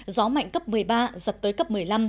gió mạnh cấp một mươi ba giật tới cấp một mươi năm